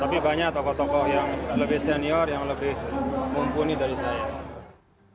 tapi banyak tokoh tokoh yang lebih senior yang lebih mumpuni dari saya